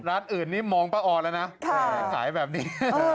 ร้านอื่นนี่มองป้าออนแล้วนะขายแบบนี้